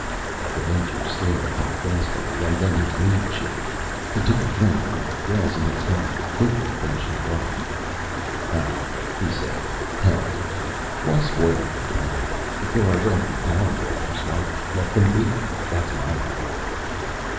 The Major stared at him frostily, and then his mood changed. He took a drink from the glass in his hand, quickly finishing it off. "Ah," he said, "hell with it. Why spoil a good party? If there are going to be power failures, why, let them be. That's my motto!"